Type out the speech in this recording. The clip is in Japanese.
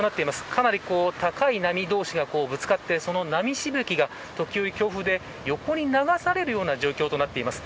かなり高い波同士がぶつかってその波しぶきが時折、強風で横に流される状況となっています。